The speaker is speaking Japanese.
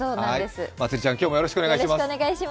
まつりちゃん、今日もよろしくお願いします。